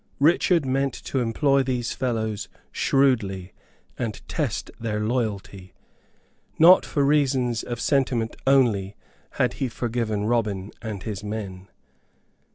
Richard meant to employ these fellows shrewdly and test their loyalty. Not for reasons of sentiment only had he forgiven Robin and his men.